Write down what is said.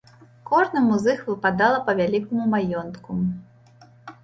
Кожнаму з іх выпадала па вялікаму маёнтку.